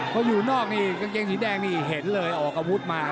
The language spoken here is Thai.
พออยู่นอกนี่กางเกงสีแดงนี่เห็นเลยออกอาวุธมา